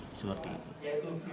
yaitu virus dengan vaksinasi